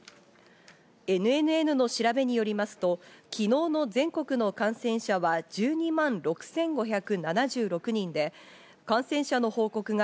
ＮＮＮの調べによりますと、昨日の全国の感染者は１２万６５７６人で、感染者の報告が